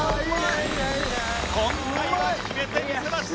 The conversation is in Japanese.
今回は決めてみせました。